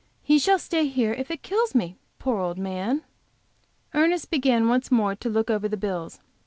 "He shall stay here if it kills me, poor old man!" Ernest began once more to look over the bills.